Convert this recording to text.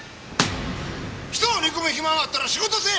人を憎む暇があったら仕事せい！